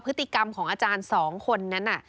พฤติกรรมของอาจารย์๒คนนั้น